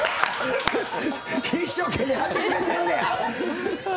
一生懸命やってくれてんのや。